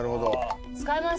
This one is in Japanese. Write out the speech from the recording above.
使います